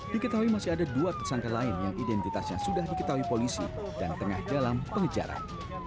diketahui masih ada dua tersangka lain yang identitasnya sudah diketahui polisi dan tengah dalam pengejaran